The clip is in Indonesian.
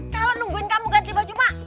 kalau nungguin kamu ganti baju ma